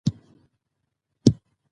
برېښنا د خلکو له خوا وکارول شوه.